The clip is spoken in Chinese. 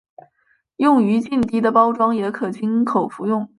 用于静滴的包装也可经口服用。